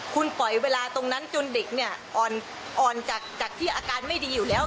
คุณปล่อยเวลาตรงนั้นจนเด็กเนี่ยอ่อนจากที่อาการไม่ดีอยู่แล้ว